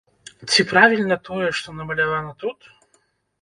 Ці правільна тое, што намалявана тут?